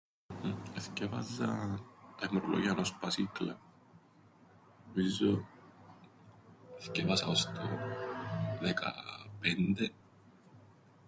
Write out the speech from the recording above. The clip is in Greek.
"Ε, εθκιάβαζα... τα ""Ημερολόγια ενός σπασίκλα"". Νομίζω εθκιέβασα ώς το... δεκα... πέντε;"